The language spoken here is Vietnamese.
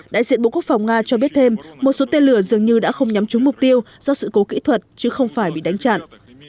đại diện bộ quốc phòng nga cho biết thêm một số tên lửa dường như đã không nhắm trúng mục tiêu do sự cố kỹ thuật chứ không phải bị đánh chặn